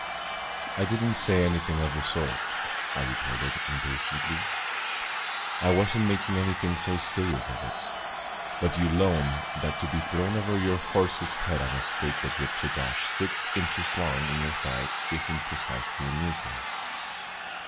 "I did n't say anything of the sort," I retorted impatiently. "I was n't making anything so serious of it; but you'll own that to be thrown over your horse's head on a stake that rips a gash six inches long in your thigh is n't precisely amusing."